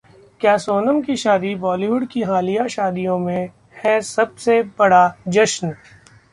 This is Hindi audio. क्या सोनम की शादी बॉलीवुड की हालिया शादियों में है सबसे बड़ा जश्न?